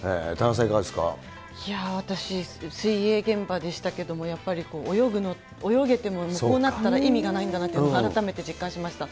いや、私、水泳現場でしたけども、やっぱり泳ぐの、泳げても、こうなったら意味がないんだなって、改めて実感しました。